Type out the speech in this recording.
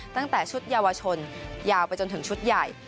ตั้งแต่ชุดเยาวชนยาวไปจนถึงชุดใหญ่